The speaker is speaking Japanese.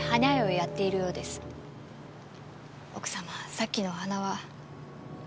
さっきのお花は。